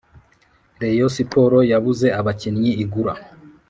reyo siporo yabuze abakinnyi igura